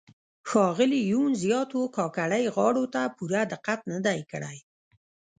ښاغلي یون زیاتو کاکړۍ غاړو ته پوره دقت نه دی کړی.